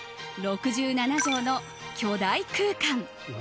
６７畳の巨大空間。